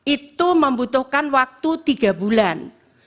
itu membutuhkan waktu tiga bulan